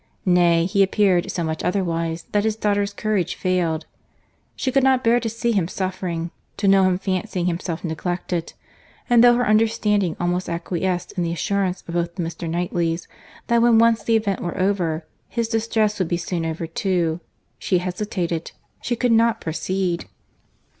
Nay, he appeared so much otherwise, that his daughter's courage failed. She could not bear to see him suffering, to know him fancying himself neglected; and though her understanding almost acquiesced in the assurance of both the Mr. Knightleys, that when once the event were over, his distress would be soon over too, she hesitated—she could not proceed.